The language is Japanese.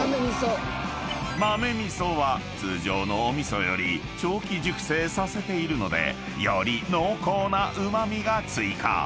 ［豆みそは通常のお味噌より長期熟成させているのでより濃厚なうま味が追加］